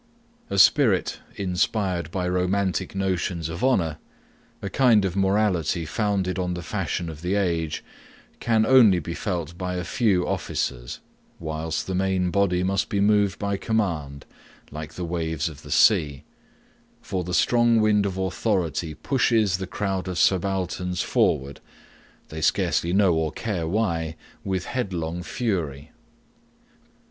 A spirit inspired by romantic notions of honour, a kind of morality founded on the fashion of the age, can only be felt by a few officers, whilst the main body must be moved by command, like the waves of the sea; for the strong wind of authority pushes the crowd of subalterns forward, they scarcely know or care why, with headlong fury.